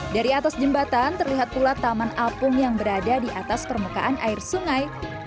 dari atas jembatan terlihat pula taman apung yang berada di atas permukaan air sungai